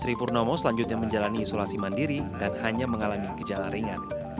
sri purnomo selanjutnya menjalani isolasi mandiri dan hanya mengalami gejala ringan